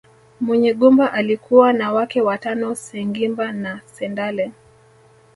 Munyigumba alikuwa na wake watano Sengimba na Sendale